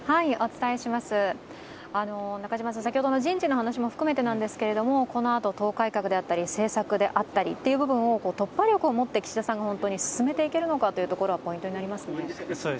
先ほどの人事の話も含めてなんですが、このあと党改革であったり政策であったり突破力を持って岸田さんが本当に進めていけるかがポイントになりますね。